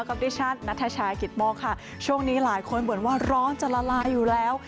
ดิฉันนัทชายกิตโมกค่ะช่วงนี้หลายคนเหมือนว่าร้อนจะละลายอยู่แล้ว